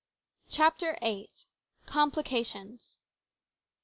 " CHAPTER VIII. COMPLICATIONS.